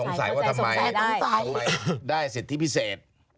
สงสัยว่าทำไมได้สิทธิพิเศษ